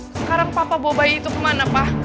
sekarang papa bawa bayi itu kemana pa